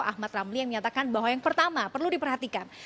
ahmad ramli yang menyatakan bahwa yang pertama perlu diperhatikan